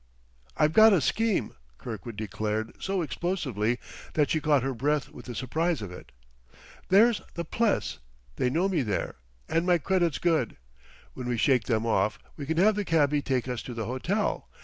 "I've got a scheme!" Kirkwood declared so explosively that she caught her breath with the surprise of it. "There's the Pless; they know me there, and my credit's good. When we shake them off, we can have the cabby take us to the hotel.